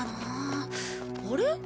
あれ？